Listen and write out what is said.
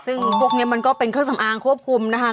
ซึ่งพวกนี้มันก็เป็นเครื่องสำอางควบคุมนะคะ